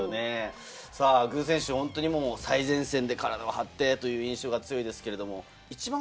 具選手、本当に最前線で体を張ってという印象が強いですが、イチバン